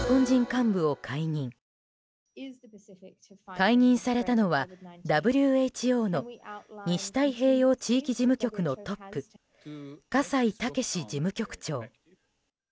解任されたのは、ＷＨＯの西太平洋地域事務局のトップ葛西健事務局長。